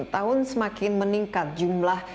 tahun semakin meningkat jumlah